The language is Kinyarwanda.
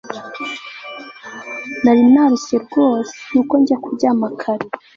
Nari narushye rwose nuko njya kuryama kare